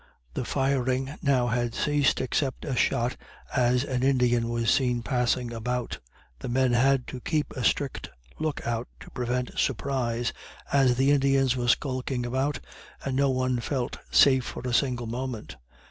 The firing now had ceased, except a shot as an Indian was seen passing about. The men had to keep a strict look out to prevent surprise, as the Indians were skulking about, and no one felt safe for a single moment.